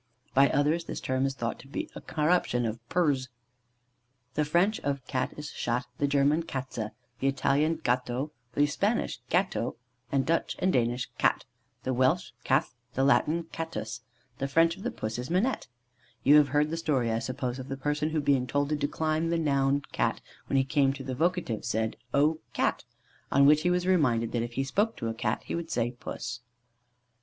By others this term is thought to be a corruption of Pers. The French of Cat is Chat; the German, Katze; the Italian, Gatto; the Spanish, Gato; the Dutch and Danish, Kat; the Welsh, Cath; the Latin, Catus: the French of Puss is Minette. You have heard the story, I suppose, of the person who being told to decline the noun Cat, when he came to the vocative, said "O Cat!" on which he was reminded that if he spoke to a Cat he would say "Puss."